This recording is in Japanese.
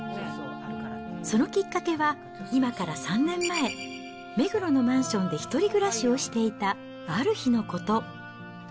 そのきっかけは今から３年前、目黒のマンションで１人暮らしをしていたある日のこと。